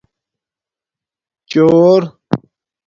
چِݸر